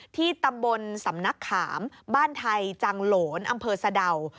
ที่ตำบลสำนักขามบ้านไทยจังโหลนอำเภอสะดาว